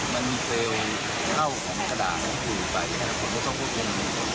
มันมีเฟลเข้าของกระด่าของคุณไปแค่คนที่ต้องควบคุม